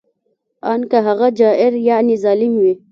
ان که هغه جائر یعنې ظالم وي